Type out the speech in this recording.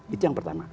itu yang pertama